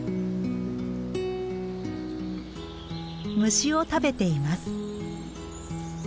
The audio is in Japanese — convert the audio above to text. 虫を食べています。